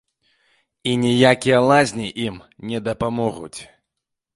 І ніякія лазні ім не дапамогуць.